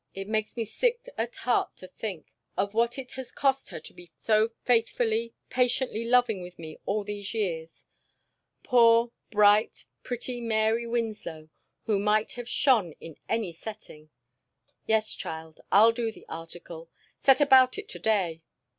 It makes me sick at heart to think of what it has cost her to be so faithfully, patiently loving with me all these years. Poor, bright, pretty Mary Winslow, who might have shone in any setting! Yes, child, I'll do the article set about it to day.